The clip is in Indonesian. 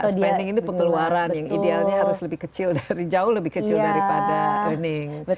spending itu pengeluaran yang idealnya harus lebih kecil dari jauh lebih kecil daripada learning